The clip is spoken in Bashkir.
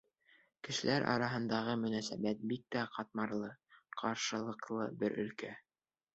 Кешеләр араһындағы мөнәсәбәт бик тә ҡатмарлы, ҡаршылыҡлы бер өлкә.